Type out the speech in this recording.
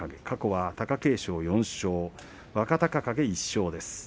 過去は貴景勝の４勝若隆景の１勝です。